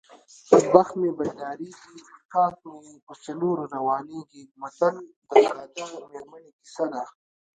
بخت مې پیدارېږي کاک مې په څلور روانېږي متل د ساده میرمنې کیسه ده